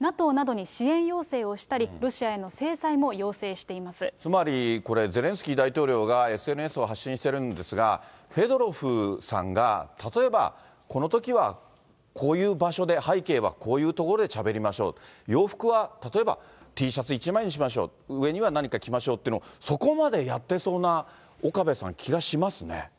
ＮＡＴＯなどに支援要請をしたり、つまりこれ、ゼレンスキー大統領がＳＮＳを発信してるんですが、フェドロフさんが、例えば、このときはこういう場所で、背景はこういう所でしゃべりましょう、洋服は例えば、Ｔシャツ一枚にしましょう、上には何か着ましょうっていうのを、そこまでやってそうな岡部さん、気がしますね。